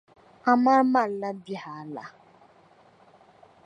Amadu mali la bihi ala?